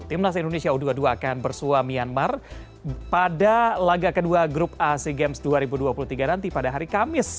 timnas indonesia u dua puluh dua akan bersuah myanmar pada laga kedua grup ac games dua ribu dua puluh tiga nanti pada hari kamis